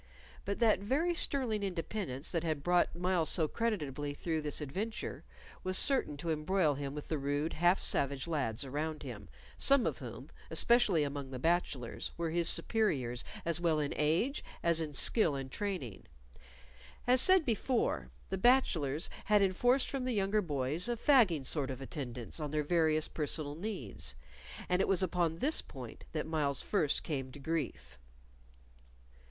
But that very sterling independence that had brought Myles so creditably through this adventure was certain to embroil him with the rude, half savage lads about him, some of whom, especially among the bachelors, were his superiors as well in age as in skill and training. As said before, the bachelors had enforced from the younger boys a fagging sort of attendance on their various personal needs, and it was upon this point that Myles first came to grief.